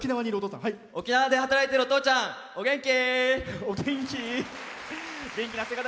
沖縄で働いてるお父ちゃん元気？